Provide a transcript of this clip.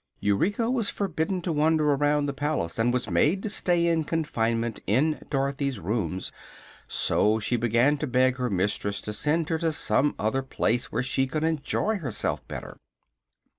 Eureka was forbidden to wander around the palace and was made to stay in confinement in Dorothy's room; so she began to beg her mistress to send her to some other place where she could enjoy herself better.